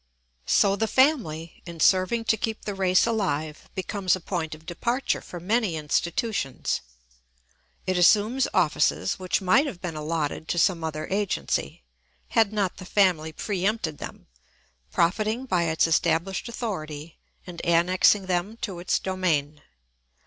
So the family, in serving to keep the race alive, becomes a point of departure for many institutions. It assumes offices which might have been allotted to some other agency, had not the family pre empted them, profiting by its established authority and annexing them to its domain.